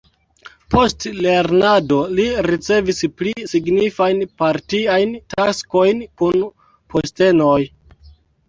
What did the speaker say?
Post lernado li ricevis pli signifajn partiajn taskojn kun postenoj.